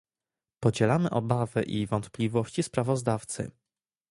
Podzielamy obawy i wątpliwości sprawozdawcy